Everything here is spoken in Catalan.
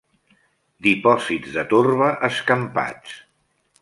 Dipòsits de torba escampats.